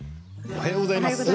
おはようございます。